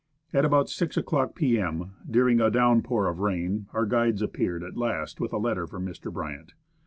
At about 6 o'clock p.m., during a downpour of rain, our guides appeared at last with a letter from Mr. Bryant.